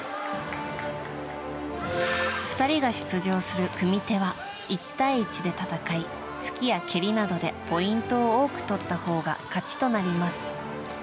２人が出場する組手は１対１で戦い突きや蹴りなどでポイントを多く取ったほうが勝ちとなります。